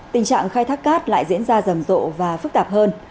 tình trạng khai thác cát lại diễn ra rầm rộ và phức tạp hơn